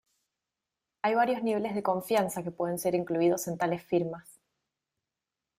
Hay varios niveles de confianza que pueden ser incluidos en tales firmas.